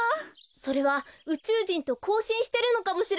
それはうちゅうじんとこうしんしてるのかもしれません。